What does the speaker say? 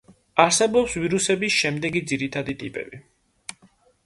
არსებობს ვირუსების შემდეგი ძირითადი ტიპები.